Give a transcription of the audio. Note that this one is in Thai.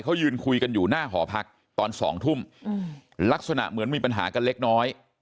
เขายืนคุยกันอยู่หน้าหอพักตอน๒ทุ่มลักษณะเหมือนมีปัญหากันเล็กน้อย